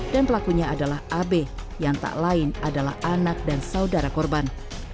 dan pelakunya adalah abe yang tak lain adalah anak dan saudara korban